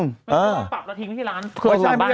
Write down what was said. ไม่ใช่ปรับแล้วทิ้งไว้ที่ร้าน